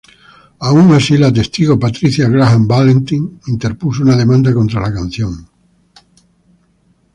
Aun así la testigo Patricia Graham Valentine interpuso una demanda contra la canción.